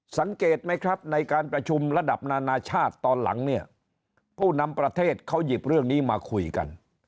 สังเกตไหมครับในการประชุมระดับนานาชาติตอนหลังเนี่ยผู้นำประเทศเขาหยิบเรื่องนี้มาคุยกัน